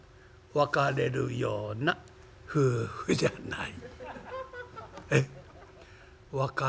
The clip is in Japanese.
「別れるような夫婦じゃない」。